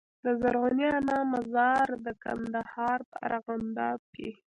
د زرغونې انا مزار د کندهار په ارغنداب کي